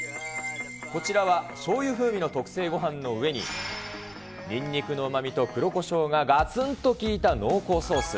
こちらはしょうゆ風味の特製ごはんの上に、にんにくのうまみと黒胡椒ががつんと効いた濃厚ソース。